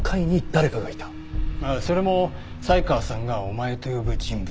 それも才川さんが「お前」と呼ぶ人物。